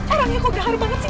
orangnya kok gehani banget sih